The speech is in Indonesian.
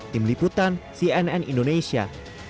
tim liputan cnn indonesia